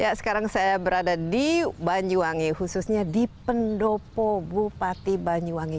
ya sekarang saya berada di banyuwangi khususnya di pendopo bupati banyuwangi